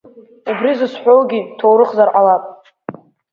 Убри зызҳәоугьы ҭоурыхзар ҟалап.